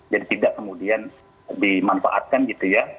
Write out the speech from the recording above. jadi tidak kemudian dimanfaatkan gitu ya